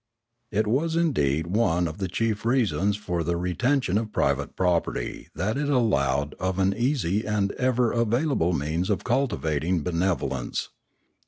It was indeed one of the chief reasons for the reten tion of private property that it allowed of an easy and ever available means of cultivating benevolence.